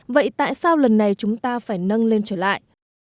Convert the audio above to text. vậy tại sao lần này chúng ta phải nâng lên trở lại